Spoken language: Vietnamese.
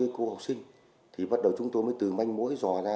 nếu chị yêu một cô học sinh thì bắt đầu chúng tôi mới từ manh mối dò ra